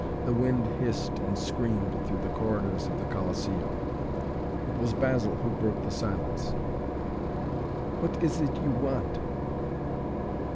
The wind hissed and screamed through the corridors of the Colosseum. It was Basil who broke the silence. "What is it, you want?"